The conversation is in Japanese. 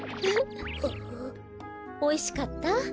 おいしかった？